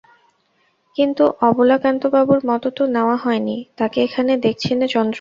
কিন্তু অবলাকান্তবাবুর মত তো নেওয়া হয় নি–তাঁকে এখানে দেখছি নে– চন্দ্র।